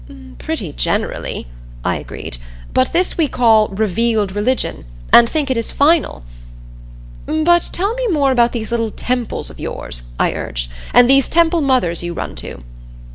"Pretty generally," I agreed. "But this we call 'revealed religion,' and think it is final. But tell me more about these little temples of yours," I urged. "And these Temple Mothers you run to."